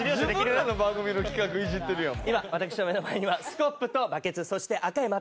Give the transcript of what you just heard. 自分らの番組の企画いじってるやん。